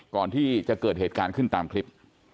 ก่อนที่จะเกิดเหตุการณ์ขึ้นตามคลิป